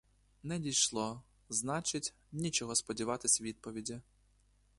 Не дійшло — значить, нічого сподіватись відповіді.